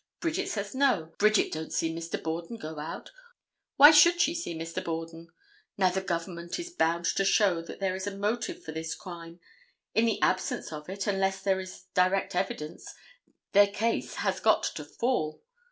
Bridget says no. Bridget don't see Mr. Borden go out. Why should she see Mr. Borden? Now the Government is bound to show that there is a motive for this crime. In the absence of it, unless there is direct evidence, their case has got to fall.